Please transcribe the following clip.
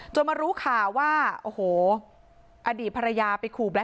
อยู่ค่าวมาเนี่ยล่ะค่ะ